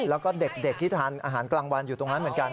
แล้วก็เด็กที่ทานอาหารกลางวันอยู่ตรงนั้นเหมือนกัน